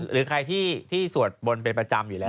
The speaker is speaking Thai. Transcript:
หรือใครที่สวดบนเป็นประจำอยู่แล้ว